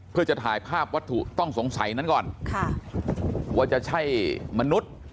เพื่อจะถ่ายภาพวัตถุต้องสงสัยนั้นก่อนค่ะว่าจะใช่มนุษย์